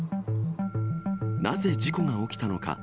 なぜ事故が起きたのか。